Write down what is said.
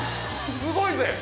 すごいぜ！